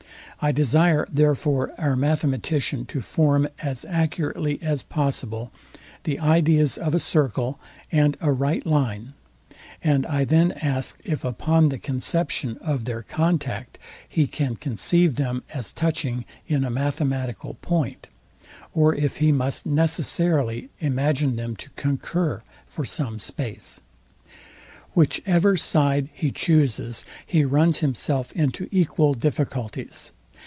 I desire therefore our mathematician to form, as accurately as possible, the ideas of a circle and a right line; and I then ask, if upon the conception of their contact he can conceive them as touching in a mathematical point, or if he must necessarily imagine them to concur for some space. Whichever side he chuses, he runs himself into equal difficulties.